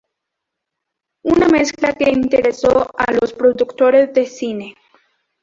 Una mezcla que interesó a los productores de cine.